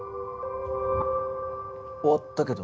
終わったけど。